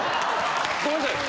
ごめんなさい。